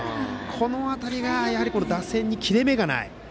この辺りが打線に切れ目がない。